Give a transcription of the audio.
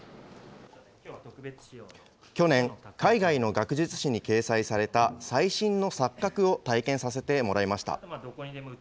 去年、海外の学術誌に掲載された、最新の錯覚を体験させてもらいました。